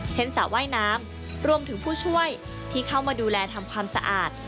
สระว่ายน้ำรวมถึงผู้ช่วยที่เข้ามาดูแลทำความสะอาด